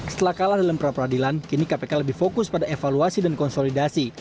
setelah kalah dalam peradilan kini kpk lebih fokus pada evaluasi dan konsolidasi